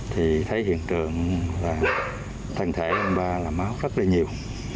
thì thấy hiện tượng là thân thể anh ba là máu rất là nhiều